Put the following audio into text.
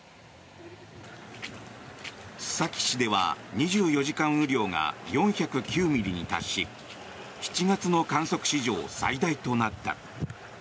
須崎市では２４時間雨量が４０９ミリに達し７月の観測史上最大となった。